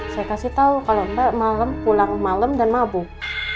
saya kasih tau kalau mbak pulang malam dan mabuk